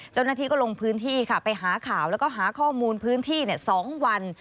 เจ้าหน้าที่ก็ลงพื้นที่ค่ะไปหาข่าวแล้วก็หาข้อมูลพื้นที่๒วัน